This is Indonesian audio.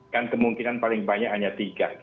kan kemungkinan paling banyak hanya tiga